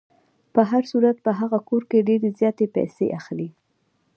په هر صورت په هغه کور کې ډېرې زیاتې پیسې اخلي.